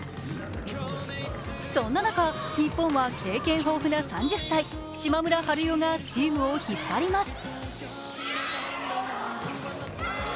そんな中、日本は経験豊富な３０歳、島村春世がチームを引っ張ります。